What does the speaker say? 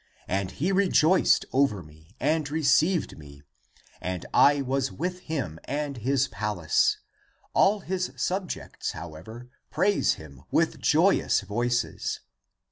And he rejoiced over me and received me, <And I was with him> in his palace. All his subjects, however, Praise him with joyous voices.